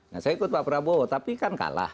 nah saya ikut pak prabowo tapi kan kalah